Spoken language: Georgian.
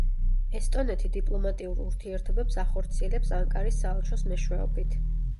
ესტონეთი დიპლომატიურ ურთიერთობებს ახორციელებს ანკარის საელჩოს მეშვეობით.